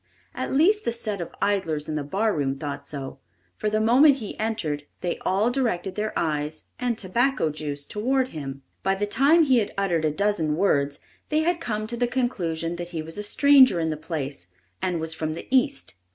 At least the set of idlers in the barroom thought so, for the moment he entered they all directed their eyes and tobacco juice toward him! By the time he had uttered a dozen words, they had come to the conclusion that he was a stranger in the place and was from the East.